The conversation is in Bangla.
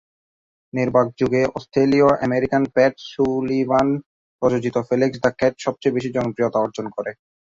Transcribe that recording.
নির্বাক যুগে অস্ট্রেলীয়-আমেরিকান প্যাট সুলিভান প্রযোজিত ফেলিক্স দ্য ক্যাট সবচেয়ে বেশি জনপ্রিয়তা অর্জন করে।